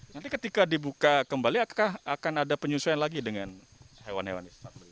nanti ketika dibuka kembali akan ada penyesuaian lagi dengan hewan hewan